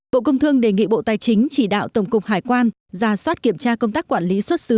bộ công thương đề nghị bộ tài chính chỉ đạo tổng cục hải quan ra soát kiểm tra công tác quản lý xuất xứ